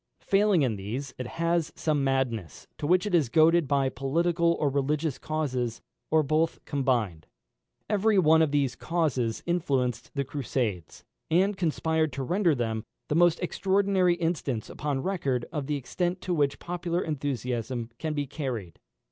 Failing in these, it has some madness, to which it is goaded by political or religious causes, or both combined. Every one of these causes influenced the Crusades, and conspired to render them the most extraordinary instance upon record of the extent to which popular enthusiasm can be carried.